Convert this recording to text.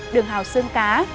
đường hào xương cá